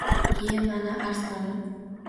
Iye mani arslonim